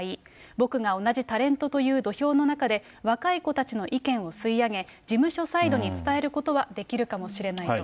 僕が同じタレントという土俵の中で、若い子たちの意見を吸い上げ、事務所サイドに伝えることはできるかもしれないと。